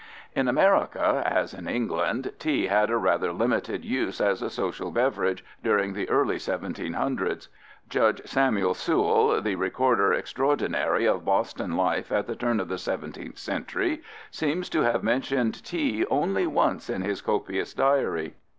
In America, as in England, tea had a rather limited use as a social beverage during the early 1700's. Judge Samuel Sewall, the recorder extraordinary of Boston life at the turn of the 17th century, seems to have mentioned tea only once in his copious diary.